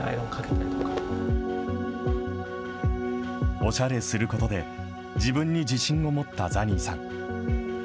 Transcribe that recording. おしゃれすることで、自分に自信を持ったザニーさん。